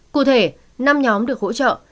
cụ thể năm nhóm được hỗ trợ